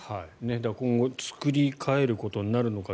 今後、作り変えることになるのか